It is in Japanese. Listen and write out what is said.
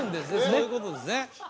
そういうことですね